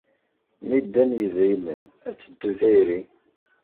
Mi ddan yidrimen, ad teddu tayri.